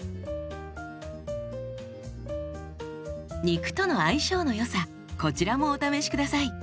肉との相性の良さこちらもお試し下さい。